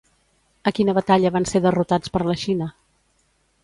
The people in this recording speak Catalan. A quina batalla van ser derrotats per la Xina?